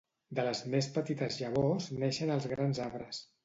De les més petites llavors neixen els grans arbres.